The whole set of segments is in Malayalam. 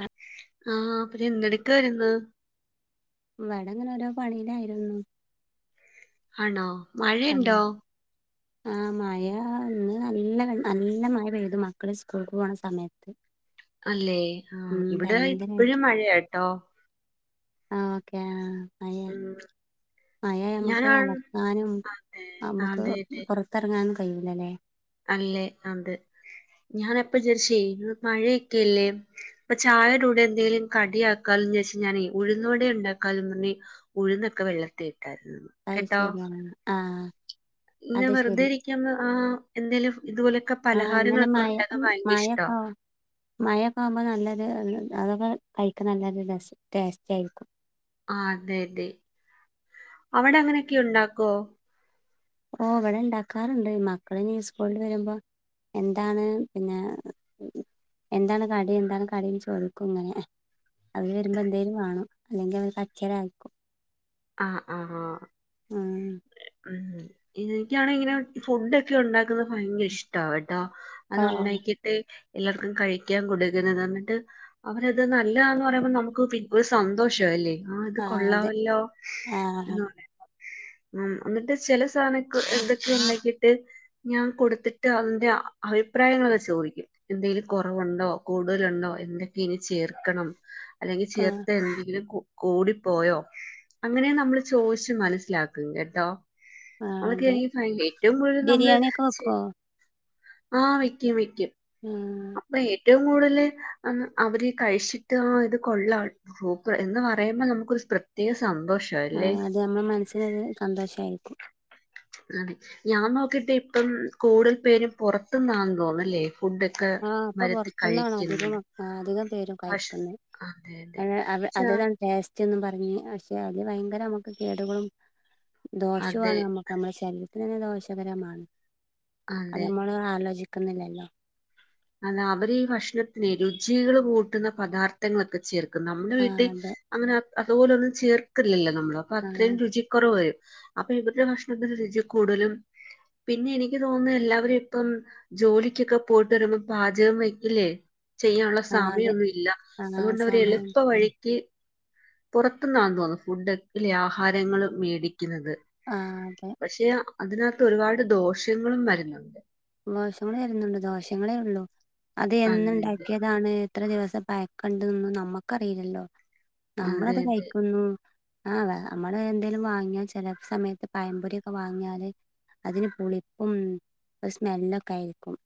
ആഹ് ആ പിന്നെ എന്തട്ക്കായിര്ന്ന് ഇവടങ്ങന ഓരോ പണിയിലായിരുന്നു ആണോ, മഴയുണ്ടോ ആ മഴ ഇന്നു നല്ല നല്ല മഴപെയ്തു മക്കള് സ്കൂൾക്ക് പോണ സമയത്ത് അല്ലേ ആ ഉം ഇവടെ ഇപ്പഴും ഭയങ്കരായിട്ട് മഴയാട്ടോ ആ ഓക്കെ ആ മഴ ഉം മഴയായ നമുക്ക് ഞാനാണ് അലക്കാനും അതെ നമുക്കു അതെ അതെ പൊർ ത്തർങ്ങാനും കഴിയൂല ലെ അല്ലേ അതെ ഞനപ്പ വിചാരിച്ചേ ഇന്ന് മഴക്കല്ലേ അപ്പ ചായടെ കൂടെ എന്തെലും കടിയാക്കാലോന്ന് വിചാരിച്ചു ഞാനെ ഉഴുന്നു വട ഇണ്ടാക്കാലോന്ന് ഉഴുന്നൊക്കെ വെള്ളത്തിലിട്ടായിരുന്നു അത് ശരിയാണ് ആ ഇങ്ങനെ വെർതെ ഇരിക്കുന്ന ആ എന്തേലും ഇതുപോലക്കെ ആഹ് അങ്ങനെ പലഹാരങ്ങളൊക്ക ഉണ്ടാക്കാൻ ഭയങ്കര ഇഷ്ടമാ മഴ ഒക്ക ആവുമ്പ നല്ലൊരു, അതൊക്കെ കഴിക്ക നല്ലൊരു രസ ടേസ്റ്റായിരിക്കും ആ അതെ അതെ അവടെ അങ്ങനെയൊക്കെയുണ്ടാക്കൊ ഓ ഇവിടെയുണ്ടാക്കാറുണ്ട് മക്കളി സ്കൂളിൽ നിന്നു വരുമ്പോ എന്താണ് പിന്നെ എന്താണുകാര്യം, എന്താണുകാര്യം എന്നു ചോദിക്കുമിങ്ങനെ അവരുവരുമ്പോ എന്തേലും കാണും അല്ലെങ്കിൽ അവരു കരച്ചിലായിരിക്കും ആഹ് ആഹ് ആഹ് ആഹ് ഉം എനിക്കാണേലിങ്ങനെ ഫുഡൊക്കെയുണ്ടാക്കുന്നതു ഭയങ്കരയിഷ്ടമാ കേട്ടോ ആഹ് അതുണ്ടാക്കിയിട്ട് എല്ലാ വർക്കും കഴിക്കാൻ കൊടുക്കുന്നതെന്നിട്ട് അവരതുനല്ലാന്ന് പറയുമ്പോ നമുക്കിപ്പോ ഒരു സന്തോഷ വാല്ലേ ആഹ് ഇത് ആ അതെ കൊള്ളാവല്ലോ ആ എന്ന് പറ ഉംഎന്നിട്ട് ചില സാധനംഎന്തൊക്ക യോ ഉണ്ടാക്കിയിട്ട് ഞാൻ കൊടുത്തിട്ട് അതിന്റെ അഭിപ്രായങ്ങളൊക്കെ ചോദിക്കും എന്തേലും കുറവുണ്ടോ കൂടുതലുണ്ടോ എന്തൊക്കെയിനി ചേർക്കണം അല്ലെങ്കി ആ ചേർത്തതെന്തെങ്കിലും കൂകൂടിപ്പോയോ അങ്ങനെ നമ്മളു ചോയിച്ചു മനസ്സിലാക്കും കേട്ടോ ആ അതെ അതൊക്കെയെനിക്കു ഭയങ്ക ഏറ്റവും കൂടുതൽ നമ്മളു ബിരിയാണിയൊക്കെ ചെയ് വെക്കുവോ ആഹ്‌ വയ്ക്കും വയ്ക്കും ആഹ് അപ്പ ഏറ്റവും കൂടുതലുഅവരു കഴിച്ചിട്ട് ആഹ് ഇതു കൊള്ളാം സൂപ്പർ എന്നുപറയുമ്പോ നമുക്കൊരു പ്രത്യേക സന്തോഷം അല്ലേ ആഹ് അത് നമ്മളെ മനസ്സിനൊരു സന്തോഷായിരിക്കും അതെ ഞാൻ നോക്കിയിട്ടിപ്പം കൂടുതലും പേരും പുറത്തുന്നാന്നു തോന്നുന്നല്ലേ ഫുഡ് ആഹ് ഇപ്പൊ പുറത്തു നിന്നാണധികം അധികം പേരും ഭക്ഷ കഴിക്കുന്നേ അതെ അതെ അ അത് ച്ച അതെല്ലാംടേസ്റ്റ് ന്നും പറഞ്ഞു പക്ഷേ യതുഭയങ്കര നമുക്ക് കേടുകളും അതെ ദോഷവാണ് നമ്മക്ക് നമ്മുടെ ശരീരത്തിനു തന്നെ ദോഷകരമാണ് അതു അതെ നമ്മളാലോചിക്കുന്നില്ലല്ലോ അല്ലയവരീ ഭക്ഷണത്തിനെ രുചികളുകൂട്ടുന്ന പദാർഥങ്ങളൊക്കെ ചേർക്കും നമ്മുടെ ആ വീട്ടിൽ അതെ അങ്ങനെയതു പോലൊന്നും ചേർക്കില്ലല്ലോ നമ്മള് ആ അപ്പൊളത്രയും രുചിക്കുറവുവരും. അപ്പൊ ഇവരുടെ ഭക്ഷണത്തിനു രുചിക്കൂടുതലും പിന്നെ യെനിക്കുതോന്നുന്നു എല്ലാവരുമിപ്പം ജോലിക്കൊക്കെ പോയിട്ടു വരുമ്പോം പാചകം വെക്കില്ലേ ആ അതെ ചെയ്യാനുള്ളസമയമൊന്നുല്ല ആ അതുകൊണ്ടവര് സമയം എളുപ്പ വഴിക്ക് പുറത്തുനിന്നാന്നു തോന്നുന്നു ഫുഡ് അല്ലേ ആഹാരങ്ങളുമേടിക്കുന്നത് ആഹ് അതെ പക്ഷെയതിനകത്ത് ഒരുപാടുദോഷങ്ങളും വരുന്നുണ്ട് ദോഷങ്ങൾ വരുന്നുണ്ട് ദോഷങ്ങളേയുള്ളൂ അത് അതെ അതെ എന്നുണ്ടാക്കിയാ യതാണ് എത്ര ദിവസത്തെ പായ്ക്കുണ്ടെന്നൊന്നും നമ്മുക്കറിയില്ലല്ലോ അതെ നമ്മളതുകഴിക്കുന്നു ആഹ് നമ്മള് എന്തേങ്കലും വാങ്ങിയാൽ ചെല സമയത്ത് പയംപൊരിക്കെ വാങ്ങിയാല് അതിന് പുളിപ്പും സ്മെല്ലൊക്കെ ആയിരിക്കും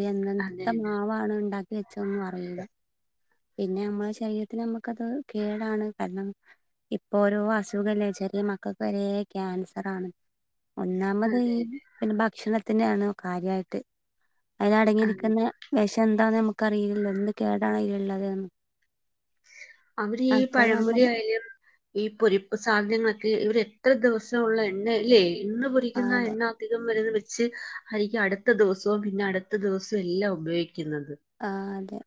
ഇ അതെ എങ്ങനെത്തെ അതെ മാവ ണ് ഉണ്ടാക്കി വെച്ചോനൊന്നുംഅറിയില്ല പിന്നെ നമ്മള് ശരീരത്തിന് നമ്മുക്കത് കേടാണ് കാരണം ഇപ്പോരോ അസുഖല്ലേ വെച്ചാല് മക്കൾക്ക് വരെ ക്യാൻസർ ആണ് ഒന്നാമത് അതെ ഈ അതെ പിന്നെ ഭക്ഷണത്തിന്റെ ആണ് കാര്യയിട്ട് അയ്ൽ അതെ അടങ്ങിയിരിക്കുന്ന വെഷം എന്താന്ന് നമുക്ക് അറിയിലല്ലോ എന്ത് കേടാണ് അയിലള്ളതന്ന് അവര് ഈ പഴമ്പൊരി നമ്മള് ആയാലും ഈ പൊരിപ്പ് സാധനങ്ങളൊക്കെ ഇവർ എത്ര ദിവസം ഉള്ള എണ്ണല്ലേ ഇന്ന് ആ പൊരിക്കുന്ന അതെ എണ്ണ അധികം വര്ന്നത് ച്ച് ആരിക്കു അടുത്ത ദിവസവും പിന്നെ അടുത്ത ദിവസവും എല്ലാം ഉപയോഗിക്കുന്നത്. ആ, അതെ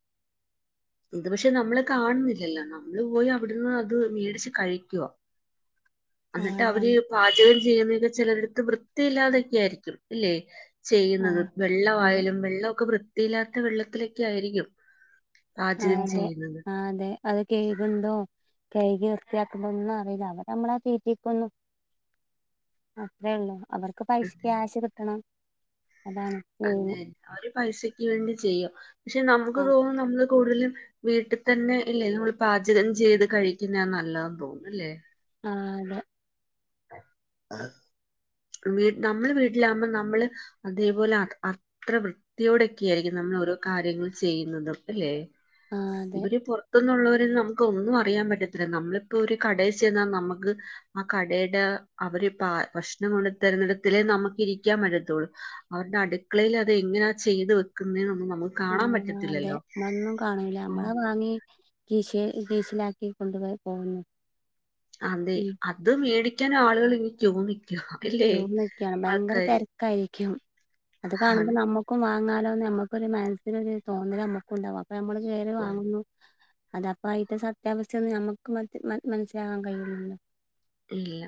ഇത് പക്ഷെ നമ്മള് കാണ്ന്നില്ലല്ലോ നമ്മള് പോയി അവിടുന്ന് അത് മേടിച്ച് കഴിക്കുവ. ആ അന്നിട്ട് അതെ അവര് അം- പാചകം ചെയ്യുന്നെന്റെ ചിലരിടത്ത് വൃത്തിയില്ലാതെക്കെ ആയിരിക്കും ഇല്ലെ. ആ ചെയ്യുന്നത് അതെ വെള്ളവായാലും വെള്ളവൊക്കെ വൃത്തിയില്ലാത്ത വെള്ളത്തിലെക്കെ ആയിരിക്കും. ആ, പാചകം അതെ ചെയ്യുന്നത് ആ, അതെ അത് കെഴ്ക് ഇണ്ടോ കെഴ്കി വൃത്തിയാക്ക്ന്നൊന്നു അറീല. അവര് നമ്മളെ തീറ്റിക്കുന്നു. അത്രേ ഒള്ളു അവർക്ക് പൈസ ക്യാഷ് കിട്ടണം അതാണ്. മെയിൻ അതെ അവര് പൈസക്ക് വേണ്ടി ചെയ്യും. പക്ഷെ, ആ നമുക്ക് തോന്നും നമ്മള് കൂടുതലും വീട്ടിൽ തന്നെ ഇല്ലേ നമ്മൾ പാചകം ചെയ്ത് കഴിക്കുന്നയ നല്ലതെന്ന് തോന്നുന്നു ഇല്ലേ? ആ, അതെ. നമ്മള് വീട്ടിലാവ്മ്പ നമ്മള് അതെ പോലെ അ അത്ര വൃത്തിയോടൊക്കെ ആയിരിക്കും നമ്മൾ ഓരോ കാര്യങ്ങൾ ചെയ്യുന്നത് അല്ലെ? ആ അതെ ഇബര് പൊർ ത്തുന്നുള്ളോരെ ഒന്നു നമുക്ക് ഒന്നു അറിയാൻ പറ്റത്തില്ല. നമ്മളിപ്പോ ഒരു കടേ ചെന്നാൽ നമ്മക്ക് ആ ക ടേടെ അവര് ഈ പാ ഭക്ഷണം കൊണ്ട് തരുന്നെട്ത്ത്ലെ നമക്ക് ഇരിക്കാൻ പറ്റത്തുള്ളൂ. അവരുടെ അടുക്കളയിൽ അത് എങ്ങനാ ചെയ്ത് വെക്ക്ന്നെ ഒന്ന് നമ്മ ആ അതെ [unintelligible] കാണൂല ഉം നമ്മള് അഹ് വാങ്ങി. കീശെ കീശിലാക്കി കൊണ്ടു പോ പോവെല്ലേ അതെ അത് മേടിക്കാൻ ആളുകള് ഇങ്ങ് ക്യൂ നിക്ക്. ക്യൂ നിക്കാണ്. ഭയങ്കര തെരക്കായിരിക്കും. അത് കാണുമ്പോ ആണ് നമ്മ ഇക്കും വാങ്ങാലോന്ന് നമ്മക്കൊരു മനസ്സിന് ഒരു തോന്നല് നമ്മക്ക് ഇണ്ടാവു അപ്പ നമ്മള് കേറി ഉം. വാങ്ങുന്നു. അത അപ്പ അയിന്റെ സത്യാവസ്ഥ ഒന്നും നമക്ക് മറ്റ് മനസ്സിലാവാൻ കഴിയൂലല്ലോ. ഇല്ല,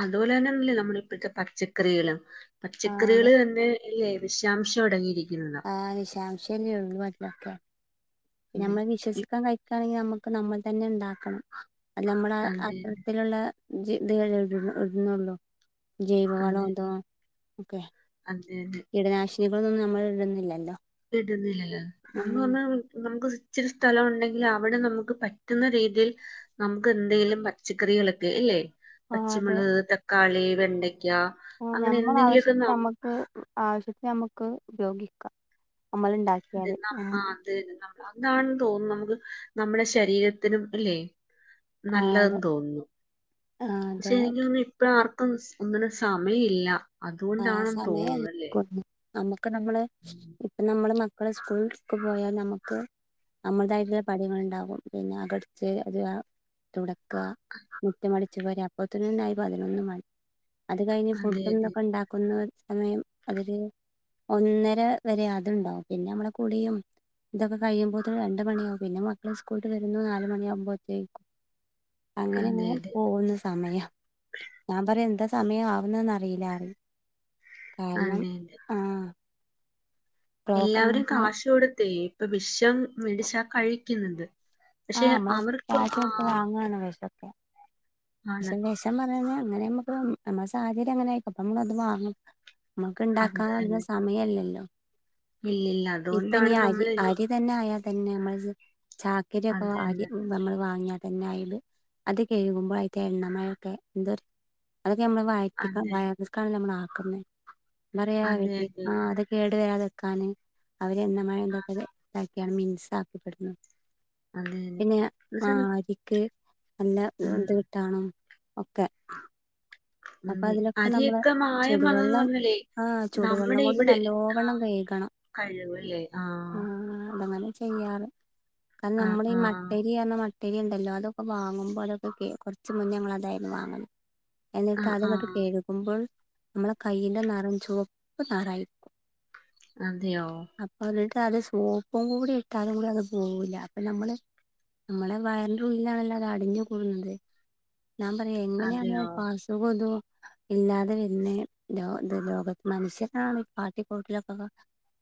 അതുപോലെ തന്നെല്ലേ നമ്മളിപ്പഴത്തെ പച്ചക്കറികള് ആഹ് പച്ചക്കറികള് തന്നെ അല്ലേ വിഷാംശം അടങ്ങിയിരിക്കുന്നതാ. ആ വിശാംഷന്നെ ഒള്ളൂ [unintelligible] അതെ നമ്മള് ഈ- വിശ്വസിക്കാൻ കഴിക്ക് ആണെങ്കിൽ നമ്മക്ക് നമ്മൾ തന്നെ ഇണ്ടാക്കണം. അല്ല നമ്മള് അതെ അത്തരത്തിലുളള [unintelligible] ഇത് ഇട്ന്നൊള്ളൂ. ജൈവ വളം അതെ എന്തോ ഒക്കെ അതെ, അതെ കീടനാശിനികളൊന്നും നമ്മള് ഇടുന്നില്ലല്ലോ? ഇത് ഇടുന്നില്ലല്ലോ നമ്മള് ഉം പറഞ്ഞാ അവർക്ക് നമക്ക് ഇച്ചിരി സ്ഥലം ഉണ്ടെങ്കിൽ അവിടെ നമുക്ക് പറ്റുന്ന രീതിയിൽ നമുക്ക് എന്തെലും പച്ചക്കറികളൊക്കെ ഇല്ലേ ആഹ് അതെ പച്ചിമുളക്, തക്കാളി, വെണ്ടയ്ക്ക അങ്ങനെ എന്തെങ്കിലുമൊക്കെ നമ് ക്ക്ആവശ്യത്തിന് നമ്മക്ക് ഉപയോഗിക്കാം നമ്മള് ഇണ്ടാ അതെ, ആ അത് അതാണെന്ന് തോന്നുന്നു നമുക്ക് നമ്മടെ ശരീരത്തിനും അല്ലെ അതെ നല്ലതെന്ന് തോന്നുന്നു. ആ അതെ പക്ഷെ, എനിക്ക് തോന്നുന്നെ ഇപ്പ ആർക്കും ഒന്നിനും സമയ ഇല്ല അതുകൊണ്ടാണന്ന് തോന്നുന്നു അല്ലേ നമക്ക് നമ്മളെ ഇപ്പ നമ്മള് മക്കള് സ്കൂൾക്ക് പോയാല് നമ്മക്ക് നമ്മൾതായിട്ട്ള്ള പണികൾ ഇണ്ടാവും. പിന്നെ അകട്ച്ചേര് അത് ആ തുടക്ക്, മുറ്റമടിച്ച് വാര് അപ്പോത്ത്ന് തന്നെ ആയി പതിനൊന്ന് മണി. അത് കഴിഞ്ഞ് അതെ ഫുഡും അതെ ഇതൊക്കെ ഇണ്ടാക്കുന്ന ഒര് സമയം അതൊരു ഒന്നര വരെ അതുണ്ടാവും പിന്നെ അമ്മളെ കുളിയും ഇതൊക്കെ കഴിയുമ്പോത്തിനും എന്റെ പണിയാവും പിന്നെ മക്കൾ സ്കൂളിട്ട് വരുന്നു നാല് മണി ആവുമ്പോത്തേക്കും അങ്ങനെ അതെ അങ്ങനെ അതെ പോന്ന് സമയം. ഞാൻ പറയും എന്താ സമയം ആവുന്ന് ന്ന് അറീല കാരണം അതെ അതെ ആഹ്. എല്ലാവരും കാശ് കൊടുത്തേ ഇപ്പൊ വിഷം മേടിച്ചാ കഴിക്കുന്നത്. പക്ഷെ അവർക്ക് ആഹ് ങ്ങന വശൊക്കെ. പക്ഷെ വിഷം പറഞ്ഞഴിഞ്ഞ അങ്ങനെ നമ്മുക്ക് നമ്മളെ സാഹചര്യം അങ്ങനെ ആയിക്കും അപ്പൊ നമ്മളത് വാങ്ങും. നമക്ക് അത് ഇണ്ടാക്കൻ അതിന് സമയല്ലല്ലോ. ഇല്ല ഇല്ല ഇപ്പൊ ഇനി അതുകൊണ്ടാണ് അരി നമ്മള് ഇനി അരി തന്നെ ആയാ തന്നെ നമ്മൾ ഇജ് ചാക്കരിയൊക്കെ അത് വ അരി തന്നെ നമ്മള് വാങ്ങിയ തന്നെ ആ ഇത് അത് കേഴുകുമ്പോൾ ത എണ്ണ മഴൊക്കെ എന്തൊരു അതൊക്കെ നമ്മള് വഴറ്റി ക്ക അതെ വയാണ നമ്മൾ ആക്കുന്നത്. മറയാവറ്റെ ആഹ് അതെ കേടു വരാതിക്കാന് അവര് എണ്ണ മഴ എന്തൊക്കെ ഇതാക്കിയാണ് മിനുസ ആക്കിതെരുന്നേ. അതെ അതെ പിന്നെ എന്നുവെച്ചാ ആഹ് അരിക്ക് അല്ല ഉം എന്ത് കിട്ടാണം ഒക്കെ. അപ്പൊ ഉന്തെ അതിലൊക്കെ നമ്മള് അരിയൊക്കെ മായം വന്നെന്ന് ചുടുവെള്ളം പറഞ്ഞില്ലേ ആഹ് ചുടുവെള്ളം നമ്മുടെ കൊണ്ട് ഇവിട് നല്ലോവണ്ണം ആഹ്. കഴുകണം കഴിവ് ല്ലേ ആഹ്. ചെയ്യാറ് കാരണം ആ നമ്മളെ ഈ ആ മട്ടെരിയറഞ ട്ടെരി ഉണ്ടല്ലോ അതൊക്കെ വാങ്ങുമ്പോ അതൊക്കെ കെ കുറച്ച് മുന്നേ ഞങ്ങള് അതായിരുന്നു വാങ്ങുന്നെ എൻ ആ ത ആ അതങ്ങട്ട് കെഴുകുമ്പോൾ നമ്മളെ കൈയിലെ നെറം ചുവപ്പ് നെറായിരിക്കും. അതെയോ? അപ്പൊ അതിട്ട അത് സോപ്പും കൂടി ഇട്ടാലും കൂടി അത് പോവൂല അപ്പൊ നമ്മള് നമ്മളെ വയറിന്റെ ഉള്ളിലാണല്ലോ അത് അടിഞ്ഞു കൂടുന്നത് ഞാൻ പറയാ എങ്ങനെയാണ് അത് അതെയോ പാസ് തുകൊന്തോ. ഇല്ലാതെ വെരുന്നെ ലോ ഇത് ലോക മനുഷ്യാണ് ഈ കാട്ടി കൂട്ടലൊക്കെ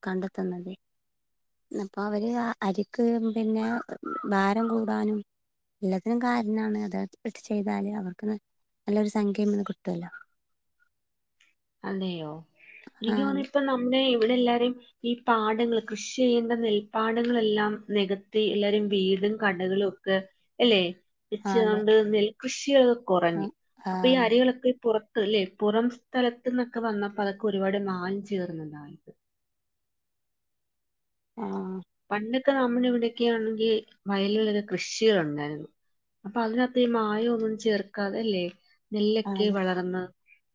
കണ്ടെത്തുന്നതെ. അപ്പൊ അവര് ആ അരിക്ക് പിന്നെ ഭാരം കൂടാനും എല്ലാത്തിനും കാരനാണ് അത് ഇട്ട് ചെയ്താല് അവർക്ക്ന്ന് സംങ്ക്യം ഒന്ന് കിട്ടും അല്ലോ. അതെയോ എനിക്ക് തോന്ന് ആഹ് ഇപ്പ നമ്മെ ഇവിടെ എല്ലാരേം ഈ പാടങ്ങൾ കൃഷി ചെയ്യേണ്ട നെൽപ്പാടങ്ങളെല്ലാം നികത്തി എല്ലാരും വീട് കടകൾ ഒക്കെ അല്ലേ. വെച്ച് അതെ കൊണ്ട് നെൽ കൃഷികള് കുറഞ്ഞ് ആഹ് അപ്പൊ ഈ ആഹ് അരികളൊക്കെ ഈ പുറത്ത് അല്ലെ പുറം സ്ഥലത്ത് ന്നൊക്കെ വന്നപ്പോ അതൊക്കെ ഒരുപാട് മായം ചേർന്നതായിണ്ട്. ആഹ്. പണ്ടൊക്കെ നമ്മളെ ഇവിടെയൊക്കെ ആണെങ്കി വയലുകളിൽ കൃഷികളുണ്ടായിരുന്നു. അപ്പൊ അതിനാത്ത് മായം ഒന്നും ചേർക്കാതെ അല്ലേ നെല്ലൊക്കെ അതെ വളർന്ന്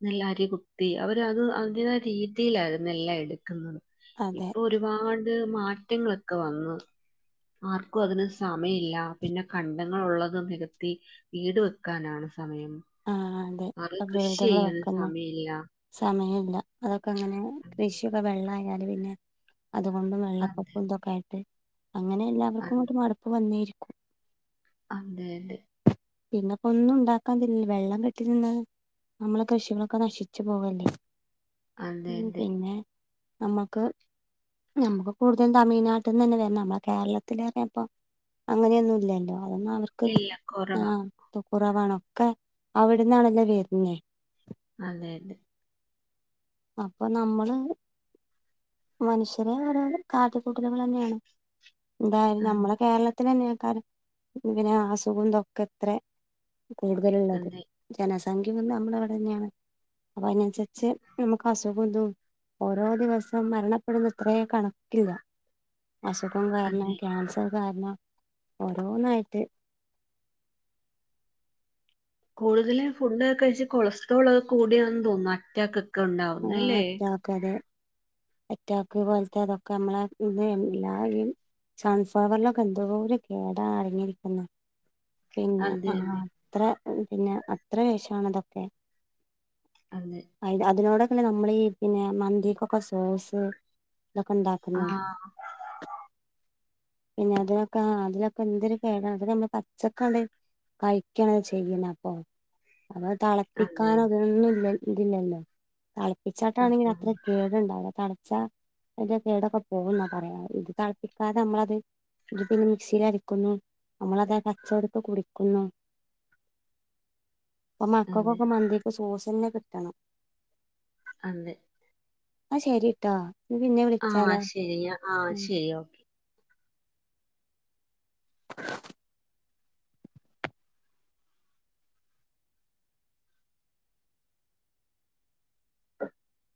നെല്ലരി കുത്തി അവര് അത് അതി രീതിയിലായിരുന്നു എല്ലാം എടുക്കുന്നത് അതെ ഇപ്പൊ ഒരു ഒരുപാട് മാറ്റങ്ങളൊക്കെ വന്ന്. ആർക്കും അതിന് സമയില്ല പിന്നെ കണ്ടങ്ങൾ ഉള്ളത് നികത്തി വീട് വെക്കാനാണ് സമയം. ആഹ് അതെ അത് അ കൃഷി വീടിവിടെ ചെയ്യാനും വെക്കുന്നെ. സമയമില്ല സമയം ഇല്ല അതൊക്കെ അങ്ങനെ കൃഷിയൊക്കെ വെള്ള ആയാല് പിന്നെ അതുകൊണ്ടും അതെ വെള്ളപ്പൊപ്പം ഉന്തൊക്കെ ആയിട്ട് അങ്ങനെ എല്ലാവർക്കും അതെ ഇങ്ങോട്ട് മടപ്പ് വന്നേരി അങ്ങോല് പിന്നെപ്പൊ ഒന്നും ഉണ്ടാക്കാതില്ല വെള്ളം കെട്ടിനിന്നാ നമ്മളെ കൃഷികളൊക്കെ നശിച്ചു പോവല്ലേ അതെ അതെ പിന്നെ നമ്മക്ക് ഞമ്മക്ക് കൂടുതലും തമിഴ്നാട്ട്ന്നെന്നെ വരണം നമ്മളെ കേരളത്തിലെക്കെ ഇപ്പോ അങ്ങനെയൊന്നു ഇല്ലല്ലോ അതന്നെ അവർക്ക് ഇല്ല കുറവാ ആഹ് തൊക്കുറവാണ് ഒക്കെ അവിട്ന്നാണല്ലോ വരുന്നേ അതെ അതെ അപ്പൊ നമ്മള് മനുഷ്യരെ ഓരോരെ കാട്ടികൂട്ടലുകളന്നെയാണ് എന്തായാലും അതെ നമ്മളെ കേരള ത്തില്ന്നെക്കാരം ഇങ്ങനെ അസുകം ഇതൊക്കെ ഇത്ര കൂടുതലള്ളത് അതെ ജനസംഖ്യ നമ്മളെ ഇവിടെ തന്നെയാണ് അപ്പൊ അതിനനുസരിച്ച് നമുക്ക് അസുഖം ഇതും ഓരോ ദിവസം മരണപ്പെടുന്നെ എത്ര കണക്കില്ല അസുഖം കാരണം അതെ ക്യാൻസർ കാരണം ഓരോന്നായിട്ട് കൂടുതലും ഫുഡ്ക്കെകഴിച്ച് കൊളസ്ട്രോൾ കൂടിയാണെന്ന് തോന്നുന്നു അറ്റാക്ക് ഉണ്ടാവുന്നു ആഹ് അല്ലേ അറ്റാക് അതെ അറ്റാക്ക് പോലത്തെ ഇതൊക്കെ നമ്മളെ ഇത് എല്ലായി സൺഫ്ലവർ ലൊക്കെ എന്തോ ഒരു കേടാ അടഞ്ഞിരിക്കുന്നെ പിന്നെ അതെ ആഹ് അതെ അത്ര പിന്നെ അത്ര വിശാണ് അതൊക്കെ അതെ അയ് അതിനോട അല്ല നമ്മൾ ഈ പിന്നെ മന്തി ക്കൊക്കെ സോസ് ഇതൊക്കെ ഇണ്ടാക്ക ആഹ് പിന്നെ അതിനോക്ക അതിലൊക്കെ എന്തൊരു കേട അതോക്കെ നമ്മള് പച്ചക്കാണ്ട് കഴിക്കണത് ചെയ്യുന്ന അപ്പൊ അപ്പൊ അതെ തിളപ്പിക്കാനോ ഇതിനൊന്നും ഇത് ഇല്ല ല്ലോ തിളപ്പിച്ചാട്ടാണെങ്കിൽ ആ അത്ര കേടുണ്ടാവൂല്ല തളച്ച അതിന്റെ കേടൊക്കെ പോവും എന്നാ പറയാ ഇത് തളപ്പിക്കാതെ നമ്മളത് ഇത് പിന്നെ മിക്സിൽ അടിക്കുന്നു നമ്മളത് പച്ചോടക്ക കുടിക്കുന്നു ബപ്പൊ അതെ മക്കക്കൊക്ക മന്തിക്ക് സോസ് തന്നെ കിട്ടണം അതെ എന്നാ ശരിട്ടോ ഇഞ്ഞ് പിന്നെ വിളിച്ചാലാ ആഹ് ശരി ഒ [unintelligible] [unintelligible]